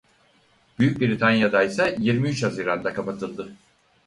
Büyük Britanya'daysa yirmi üç Haziran'da kapatıldı.